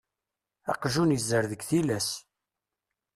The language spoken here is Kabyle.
Aqjun iẓerr deg tillas.